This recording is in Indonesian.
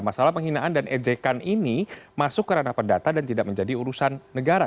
masalah penghinaan dan ejekan ini masuk ke ranah perdata dan tidak menjadi urusan negara